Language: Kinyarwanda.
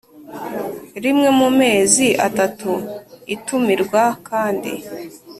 Rimwe mu mezi atatu itumirwa kandi